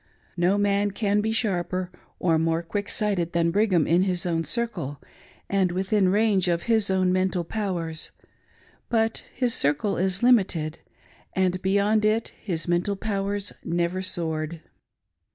No man can be sharper or more quick sighted than Brigham in his own circle and within range of his own mental powers ; but his circle is limitedj and beyond it his mental powers never soared.